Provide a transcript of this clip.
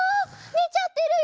ねちゃってるよ！